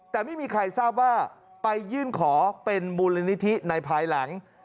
แต่ไม่มีใครทราบว่าไปยื่นขอเป็นมูลนิธิในภายหลัง